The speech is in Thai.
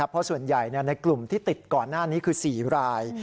เพราะส่วนใหญ่ในกลุ่มที่ติดก่อนหน้านี้คือ๔ราย